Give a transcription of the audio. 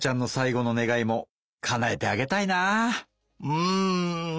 うん。